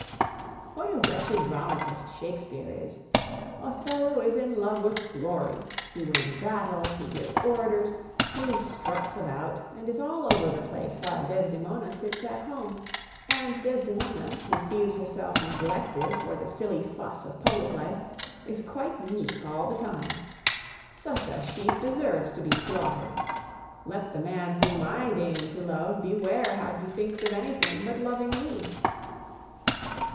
What a wretched dramatist Shakespeare is! Othello is in love with glory; he wins battles, he gives orders, he struts about and is all over the place while Desdemona sits at home; and Desdemona, who sees herself neglected for the silly fuss of public life, is quite meek all the time. Such a sheep deserves to be slaughtered. Let the man whom I deign to love beware how he thinks of anything but loving me!